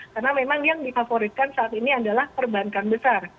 karena memang yang difavoritkan saat ini adalah perbankan besar